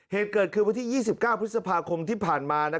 เหตุเกิดคือวันที่๒๙พฤษภาคมที่ผ่านมา